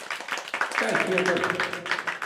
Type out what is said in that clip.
Belki yaparım.